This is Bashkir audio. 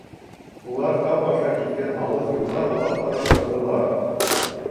Улар тау аша киткән алыҫ юлға оҙаҡ ҡарап торҙолар.